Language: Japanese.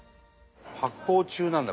発酵中なんだ？